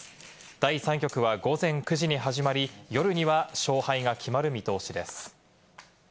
第３局は午前９時に始まり、夜には勝敗が決まる見通しです。